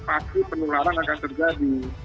pasti penularan akan terjadi